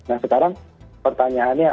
nah sekarang pertanyaannya